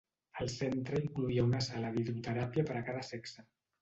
El centre incloïa una sala d'hidroteràpia per a cada sexe.